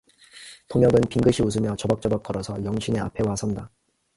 동혁은 빙긋이 웃으며 저벅저벅 걸어서 영신의 앞에 와 선다.